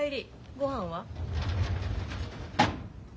ごはんは？